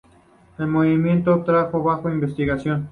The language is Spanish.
El motivo está bajo investigación.